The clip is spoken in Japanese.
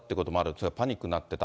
それから、パニックになってた。